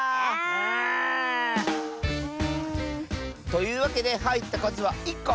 というわけではいったかずは１こ。